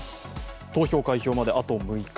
投票・開票まであと６日。